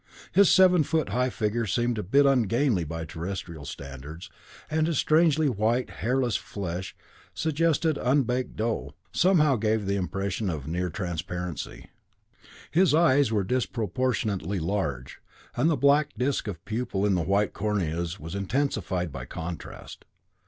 His seven foot high figure seemed a bit ungainly by Terrestrial standards, and his strangely white, hairless flesh, suggesting unbaked dough, somehow gave the impression of near transparency. His eyes were disproportionately large, and the black disc of pupil in the white corneas was intensified by contrast.